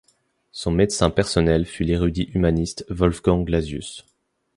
Son médecin personnel fut l'érudit humaniste Wolfgang Lazius.